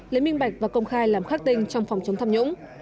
lấy minh bạch và công khai làm khắc tinh trong phòng chống tham nhũng